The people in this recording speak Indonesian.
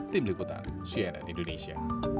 tim liputan cnn indonesia